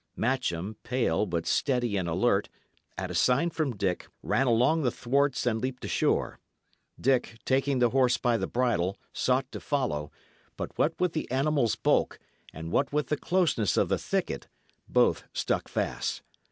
Matcham, pale, but steady and alert, at a sign from Dick, ran along the thwarts and leaped ashore; Dick, taking the horse by the bridle, sought to follow, but what with the animal's bulk, and what with the closeness of the thicket, both stuck fast.